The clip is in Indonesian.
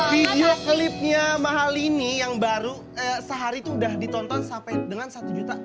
video klipnya mahal ini yang baru sehari itu udah ditonton sampai dengan satu juta